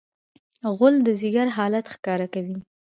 غول د ځیګر حالت ښکاره کوي.